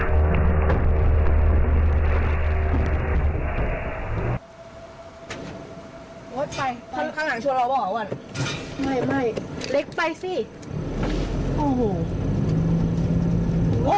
เวิร์ดไปข้างหลังชัวร์เราบอกหรือว่ะวัน